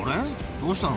どうしたの？